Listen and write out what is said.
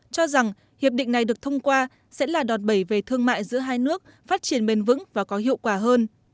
cho rằng hiệp định này được thông qua sẽ là đòn bẩy về thương mại giữa hai nước phát triển bền vững và có hiệu quả hơn